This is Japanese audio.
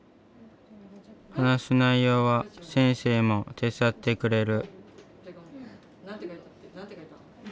話す内容は先生も手伝ってくれる。